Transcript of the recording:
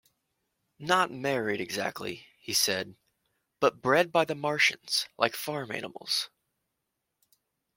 'Not married exactly-' he said, 'but bred by the Martians-like farm animals.